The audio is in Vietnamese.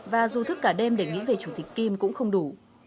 và dù thức cả đêm để nghĩ về chủ tịch kim cũng không đủ